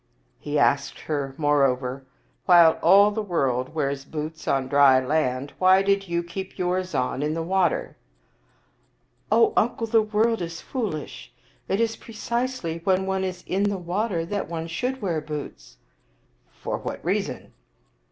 He asked her, moreover, "While all the world wears boots on dry land, why did you keep yours on in the water?" " O uncle, the world is foolish. It is precisely when one is in water that one should wear boots." " For what reason?